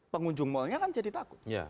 pengunjung malnya kan jadi takut